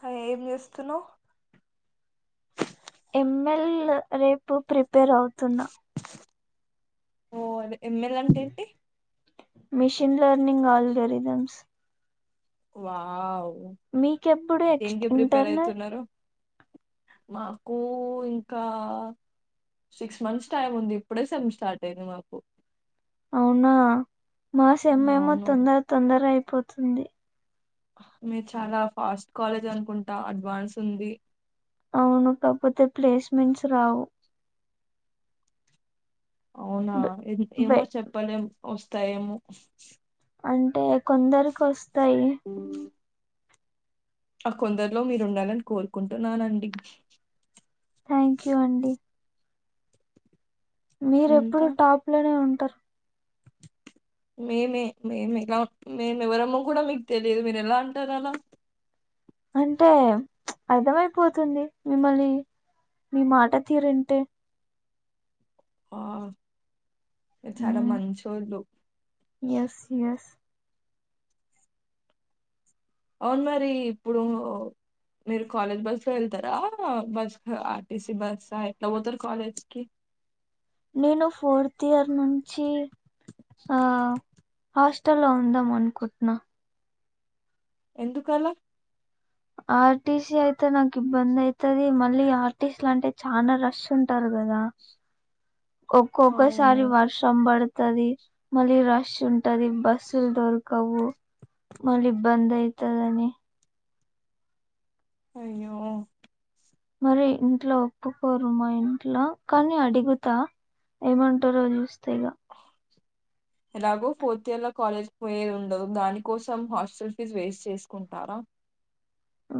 అ ఏమిస్త సనలో మెల్ రేపు ప్రిపేర్ అవుతున్నా ఓ అద ఎమ్మెల అంటే ఏంటి machine learning algorithms wow మీకెప్పుడు ఎక్స్ దేనికి ప్రిపేర్ ఇంటారున అయితున్నారు మాకు ఇంకా సిక్స్ మంత్స్ టైం ఉంది ఇప్పుడే సెమ్ స్టార్ట్ అయింది మాకు అవునా మాస ఎమ్మ ఏమో అవును తొందర తొందర అయి పోతుంది మీరు చాలా ఫాస్ట్ కాలేజ్ అనుకుంటా అడ్వాన్స్ ఉంది అవును కాకపోతే ప్లేస్మెంట్స్ రావు అవునా బె బె ఏమో చెపాలెం వస్తాయేమో అంటే కొందరికి వస్తాయి ఆ కొందరులో మీరు ఉండాలని కోరుకుంటున్నానండి థ్యాంక్ యూ మీర ఎప్పుడు ఇంకా టాప్ లోనే ఉంట త్తర్ మేమే మేము ఎలా మేము ఎవరమ కూడా మీకు తెలియదు మీరు ఎలా అంటారు అలా అంటే అర్థమైపోతుంది మిమ్మల్ని మీ మాట తీరుంటే ఆ ఇ చాలా మంచోళ్ళు ఎస్ ఎస్ అవును మరి ఇప్పుడు మీరు కాలేజ్ బస్ వెళ్తారా బస్ ఆర్టీసీ బసా ఎట్లా పోతారు కాలేజ్కి నేను ఫోర్త్ ఇయర్ నుంచి ఆ హోస్ట్ ఇష్టలో ఉందాం అనుకుంటున్నా ఎందుకలా ఆర్టీస అయితే నాకు ఇబ్బంది అవుతుది మళ్ళీ ఆర్టీస్ట్ లు అంటే చాలా రష్ ఉంటారు కదా అవును. ఒక్కొక్కసారి వర్షం పడుత ది మళ్ళీ రష్ ఉంటది బస్సులు దొరకవు మళ్ళీబ్ బంద్ అవుతుందిని అయ్యో మరి ఇంట్లో ఒప్పుకోరు మా ఇంట్ల కానీ అడిగుతా ఏమంటారో చూస్త తీగ ఎలాగో ఫోర్త్ ఇయర్ ల కాలేజ్ క్ పోయేది ఉండదు దానికోసం హాస్టల్ ఫీజు వేస్ట్ చేసుకుంటారా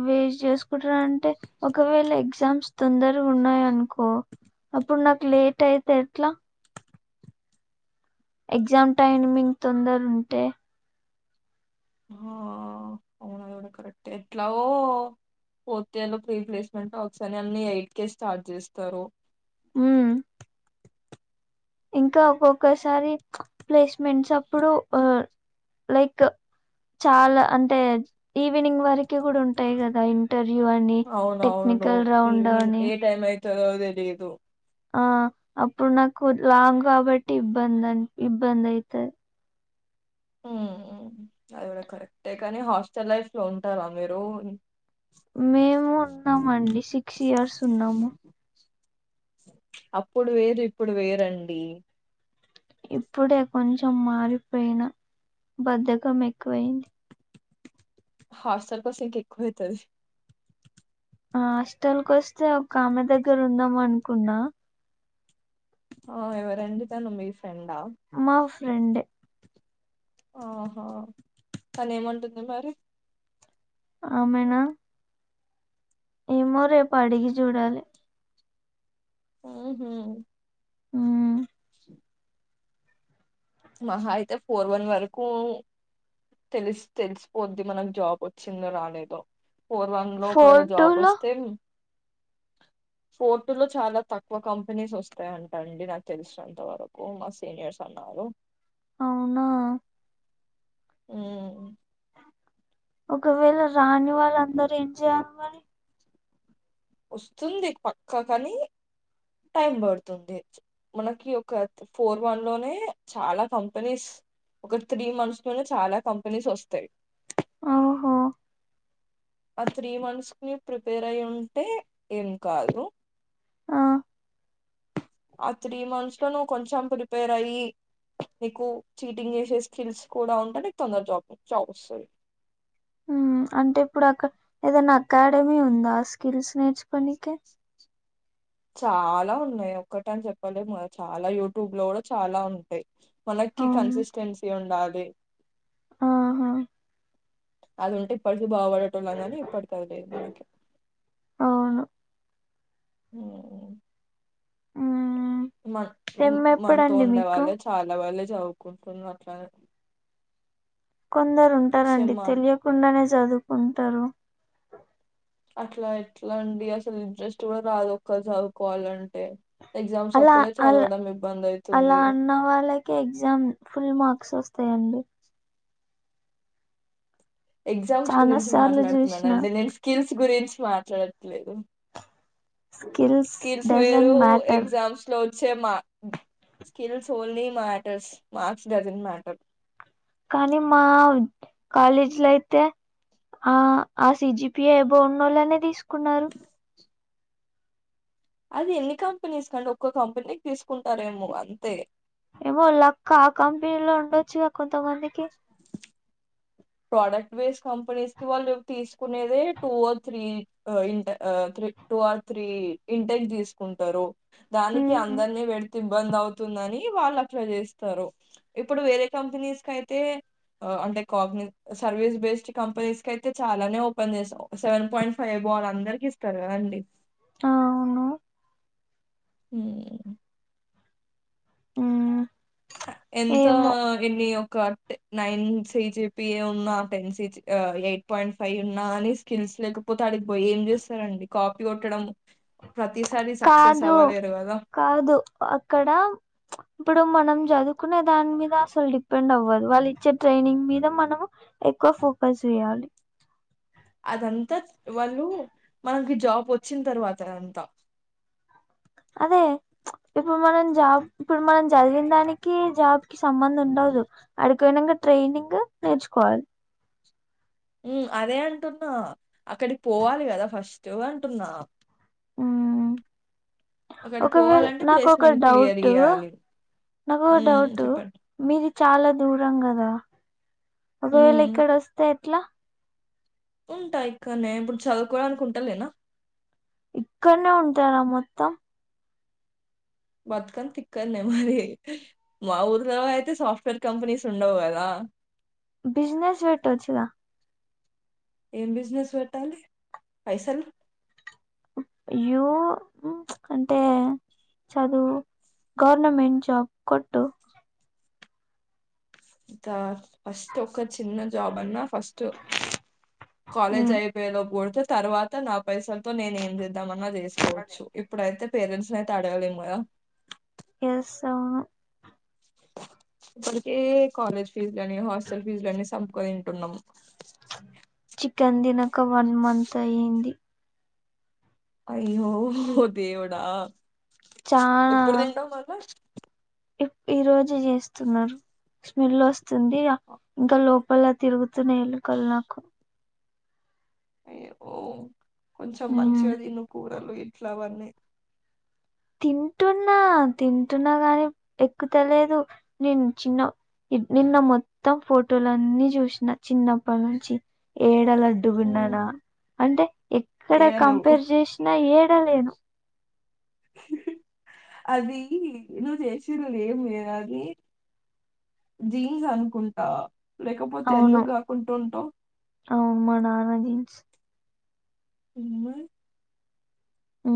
వేస్టే చేస్ కుంటర అంటే ఒకవేళ ఎగ్జామ్ తుందరగా ఉన్నాయి అనుకో అప్పుడు నాకు లేట్ అయి తెట్లా ఎగ్జామ్ టైమింగ్ తొందర ఉంటే అ అవునాది కుడా కరెక్ట్ ఎట్లావో ఫోర్త్ ఇయర్ లో ప్రీప్లేస్మెంట్ ఒకస్ ఓన్లీ ఎయిట్ కేే స్టార్ట్ చేస్తారు ఉం ఇంకా ఒక్కొక్కసారి ప్లేస్మెంట్స్ అప్పుడు లైక్ చాలా అంటే ఈవినింగ్ వరకి కూడా ఉంటాయి కదా ఇ ఇంటర్వ్యూ అని టెక్నికల్ రౌండ్ అని తదో తెలిదు ఆ అప్పుడు నాకు లాంగ్ కాబట్టి ఇబ్బందని ఇబ్బంది అయితది ఉం ఉం అది కూడా కరెక్టే కానీ హాస్టల్ లైఫ్ లో ఉంటారా మీరు మేము ఉన్నామండి సిక్స్ ఇయర్స్ ఉన్నాము అప్పుడు వేరు ఇప్పుడు వేరండి ఇప్పుడే కొంచెం మారిపోయినా బద్దకం ఎక్కువయింది హాస్టల్ కోస్తే ఇంక ఎక్కువ అయితది హాస్టల్కి వస్తే ఒక ఆమె దగ్గర ఉందాం అనుకున్నా ఆ ఎవరండీ తను మీ ఫ్ ఫ్రెండా మా ఫ్రెండే ఆహో కానీ ఏమంటుంది మరి అమెనా ఏమో రేపు అడిగి చూడాలే ఉహు ఉం మహా అయితే ఫోర్ వన్ వరకు తెలిసి తెలిసిపోద్ది మనకు జాబ్ వచ్చిందో రాలేదో ఫోర్ వన్ లో ఫోర్ ఒకవేళ టూ జాబ్ లో వస్తే ఫోర్ టూ లో చాలా తక్కువ కంపెనీస్ వస్తాయంటా అండి నాకు తెలిసినంత వరకు మా సీనియర్స్ అన్నారు అవునా ఉం ఒకవేళ రాని వాళ్ళ అందరూ ఏం చేయా మరి వస్తుంది పక్కా కాని టైం పడుతుంది మనకి ఒక ఫోర్ వన్ లోనే చాలా కంపెనీస్ ఒక త్రీ మంత్స్ లోనే చాలా కంపెనీస్ వస్తాయి ఓహో ఆ త్రీ మంత్స్ ని ప్రిపేర్ అయి ఉంటే ఏం కాదు ఆ ఆ త్రీ మంత్స్ లో నువ్వు కొంచెం ప్రిపేర్ అయ్యి నీకు చీటింగ్ చేసే స్కిల్స్ కూడా ఉంటే నీకు తొందర జాబ్ జాబ్ వస్తది ఉమ్ అంటే ఇప్పుడు అక్కడ ఏదైనా అకాడమీ ఉందా ఆ స్కిల్స్ నేర్చుకోనికి చాలా ఉన్నాయి ఒక్కటి అని చెప్పలేము చాలా యూట్యూబ్ లో కూడా చాలా ఉంటాయి మనకి అవును కన్సిస్టెన్సీ ఉండాలి ఆహా అది ఉంటే ప ఇది బాగుపడటం లేం గానీ ఇప్పటికిది లేదు మనకి అహా ఉమ్ ఉమ్ మ సెమ్ మనతో ఎప్పుడండి ఉండే మీకు వాళ్ళే చాలా వాళ్ళి జాబ్ కోల్పోయింది అట్లానే కొందరు ఉంటారండి తెలియకుండానే చదువుకుంటారు అట్లా ఎట్లా అండి అసలు ఇంట్రెస్ట్ కూడా రాదు ఒక్కళ్ళు చదువుకోవాలంటే ఎగ్జామ్స్ అలా అప్పుడే అలా చదవడం ఇబ్బంది అలా అయితుంది అన్న వాళ్ళకి ఎగ్జామ్ ఫుల్ మార్క్స్ వస్తా స్తయి అండి ఎగ్జామ్స్ చానా గురించి సార్లు మాట్లాడుతున్నాను చూసిన అండి నేను స్కిల్స్ గురించి మాట్లాడట్లేదు స్కిల్స్ డజాన్ మ్యాటర్ సేమ్ ఆ skills only matters marks doesn't matter కానీ మా కాలేజీలో అయితే ఆ ఆ సిజిపి ఏ అబొవ్ ఉన్నా వాళనే తీసుకున్నారు అది ఎన్ని కంపెనీస్ కండి ఒక్క కంపెనీకి తీసుకుంటారేమో అంతే ఏమో లక్ ఆ కంపెనీలో ఉండొచ్చుగా కొంతమందికి ప్రోడక్ట్ బేస్ కంపెనీస్ కి వాళ్ళు తీసుకునేదే two or three two or three intake తీసుకుంటారు దానికి ఉహు అందరినీ పెడితే ఇబ్బంది అవుతుందని వాళ్ళు అట్లా చేస్తారు ఇప్పుడు వేరే కంపెనీస్ కి అయితే అంటే కాగ్ని సర్వీస్ బేస్డ్ కంపెనీస్ కి అయితే చాలానే ఓపెన్ చేస్తాం సెవెన్ పాయింట్ ఫైవ్ వాళ్ళ అందరికి ఇస్తారు కదండి అ అవును హమ్ ఆమ్ ఎంత ఎన్నియో కార్కెట్ ఎ నైన్ సిజిపి ఉన్నా ten C G eight point five ఉన్నా అని స్కిల్స్ లేకపోతే అడికి ఏం చేస్తారండి కాపీ కొట్టడం ప్రతిసారి సక్సెస్ కాదు అవ్వలేరు కదా! కాదు అక్కడ ఇప్పుడు మనం చదువుకునే దాని మీద అసలు డిపెండ్ అవ్వదు వాళ్ళు ఇచ్చే ట్రైనింగ్ మీద మనం ఎక్కువ ఫోకస్ చేయాలి అదంతా వాళ్ళు మనకి జాబ్ వచ్చిన తర్వాత అదంతా అదే ఇప్పుడు మనం జాబ్ ఇప్పుడు మనం చదివిన దానికి జాబ్ కి సంబంధం ఉండదు అ కొనంగా ట్రైనింగ్ నేర్చుకోవాలి ఉమ్ అదే అంటున్నా అక్కడికి పోవాలి కదా ఫస్ట్ అంటున్నా ఆమ్ అక్కడికి ఒకవేళ పోవాలంటే నాకు ఒక ప్లేస్‌మెంట్ క్లియర్ డౌట్ చేయాలి. నాకు ఒక హ్మ్. డౌట్ చెప్పండి. మీది చాలా దూరం కదా ఒక వేళ హ్మ్. ఇక్కడ వస్తే ఎట్లా ఉంటా ఇక్క న ఇప్పుడు చదువుకోవాలనుకుంటానా ఇక్కడనే ఉంటారా మొత్తం బతుకని తిక్కనే మరి మా ఊరు తర్వా అయితే సాఫ్ట్వేర్ కంపెనీస్ ఉండవు కదా బిజినెస్ వెట్ వచ్చదా ఏం బిజినెస్ పెట్టాలి పైసలు యూ అంటే చదువు గవర్నమెంట్ జాబ్ కొట్టు ఫస్ట్ ఒక చిన్న జాబ్ అన్నా ఫస్ట్ కాలజ్ అయిపోలో పతే తర్వాత నా పైసలతో నేనే ఏం చేద్దాం చేసుకోవచ్చు ఇప్పుడైతే పేరెంట్స్ అడవలే ము ఎస్ ఆ ఇప్పటికే కాలేజ్ ఫీజు ని హాస్టల్ ఫీజు లని సంపుకు తింటున్నాం చికెన్ తినక వన్ మంతంత్ అయయింది అయ ఓ దవుడా చాలా ఎప్పుడు తింటావు మళా ఈ రోజు చేస్తున్నారు స్మెల్ వస్తు వస్తుంది ఇంకా లో పల్ల తిరుగు ఇచ్చన ఎళ్ళ కల్ నాకు అ ఓ కొంచెం మ్మ్. మంచిగా తినుకో లు ఇట్లావన్నీ తింటున్నా తింటున్నా గాని ఎక్కువ తెలియదు నేను చిన్న నిన్న మొత్తం ఫోటోలున్నీ చూసిన చిన్నప్పటి నుంచి ఏ ఉమ్, అంటే ఎక్కడ ఏయలేవు కంపేర్ చేసిన థాలేను అది నువ్వు చేసలేం లేద అని జీన్స్ అనుకుంటా లేకపోతే అవును ఎందుకు కాకుంటూ ఉంటాం అవును మా నానా జీన్స్ ఉమ హ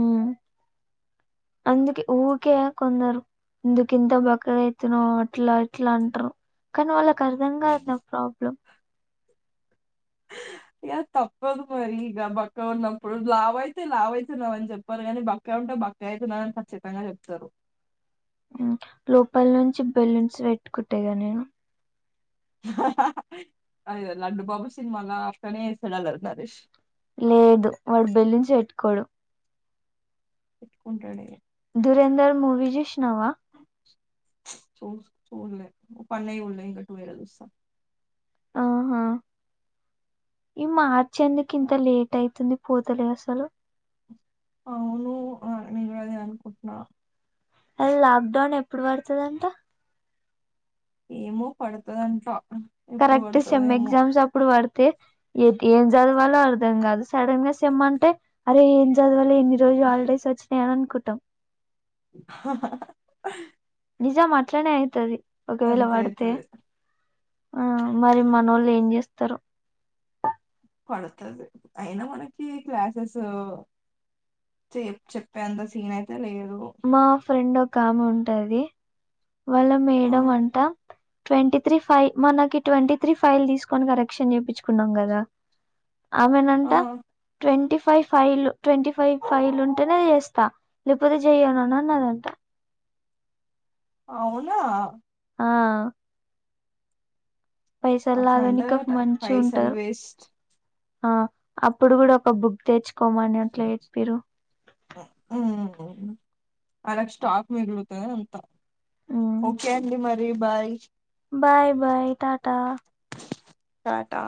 అందుకే ఊరికే కొందరు ఇందుకు ఇంత బకర అవుతునో అట్లా ఇట్లా అంటారు కానీ వాళ్ళకు అర్థంగాది నా ప్రాబ్లం ఇక తప్పదు మరి ఇక బక్క ఉన్నప్పుడు లావ అయితే లావ అవుతున్నావ అని చెప్పారు కానీ బక్కా ఉంటే బక్క అయితున్నావని ఖచ్చితంగా చెప్తారు లోపల నుంచి బెలూన్స్ పెట్ ఇకుట్టేగా నేను అది లడ్డుూ బాబు సినిమాాల అక్కడనే సడాల నరేష్ లేదు వాడు బెల్లించి పెట్టుకోడు ఇట్కుంట అడిగా సధురేంద్ర మూవీజీష్వా చూ చూల్లే పన్నయి ఉళ ఇం కట్టు వేరదుస్తా ఆహా ఈ మా చ్చందుకి ఇంత లేట్ అవుతుంది పోతలే అసలు అవును నదిే అనుకుంటున్నా అది లాక్డౌన్ ఎప్పుడు పడుతుదంతా ఏమో పడుతుందంట ఎప్పుడు కరెక్ట్ పడుతుందో సెమ్ ఏమో ఎగ్జామ్స్ అప్పుడు పడుత ఏం చదవాలో అర్థం కాదు సడన్ గా సిమ్ అంటే అరే ఏం చదవాాల లే నిరుజాలడే సచ్చ నన కుతం నిజం అట్లనే అవుతుది అంతయతు ఆ మరి మన వాళ్ళు ఏం చేస్తారు పడుతుంది అయినా మనకి క్లాసెస్ చె చెప్పేంత సీన్ అయితే లేదు మా ఫ్రెండ్ ఒక ఆమె ఉంటది వాళ్ల ఆ వేయడం అంట ట్వంటీ త్రీ ఫైవ్ మనకి ట్వంటీ త్రీ ఫైల్ తీసుకొని కరెక్షన్ చేయిించుకున్నాం కదా ఆమెేనంట ఆ ట్వంట ఫైవ్ ఫైవ్ల్ ట్వంటీ ఫైవ్ ఫైవ్లు ఉంటేనే చేస్తా లేకపోతే చెయను అన్నదంట అవునా ఆ పైసలు అట్ల అంటే లాగనీక మంచి పైసలు ఉంటారు వేస్ట్ ఆ అప్పుడు కూడా ఒక బుక్ తెచ్చు కమ నట్లే ఇట్పిరు అదగ స్టాక్ మిగిలుతుా అంత ఓకే అండి మరి అే bye bye bye tata Tata